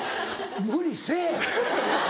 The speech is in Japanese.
無理せぇ！